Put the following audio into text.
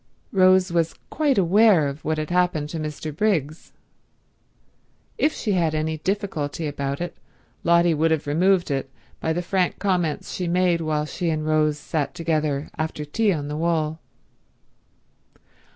Rose was quite aware of what had happened to Mr. Briggs. If she had had any difficulty about it, Lotty would have removed it by the frank comments she made while she and Rose sat together after tea on the wall.